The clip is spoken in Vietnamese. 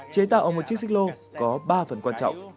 chế tạo một chiếc xích lô có ba phần quan trọng